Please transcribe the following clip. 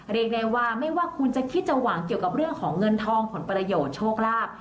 เรียกได้ว่าไม่ว่าคุณจะคิดจะหวังเกี่ยวกับเรื่องของเงินทองผลประโยชน์โชคลาภ